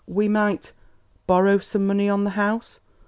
"We might borrow some money on the house.